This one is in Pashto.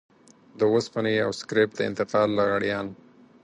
د وسپنې او سکريپ د انتقال لغړيان.